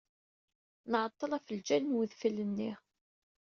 Nɛeḍḍel ɣef ljal n wedfel-nni.